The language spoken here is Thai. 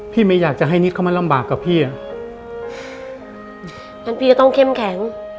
ไม่อยากจะให้นิดเข้ามาลำบากกับพี่อ่ะงั้นพี่ก็ต้องเข้มแข็ง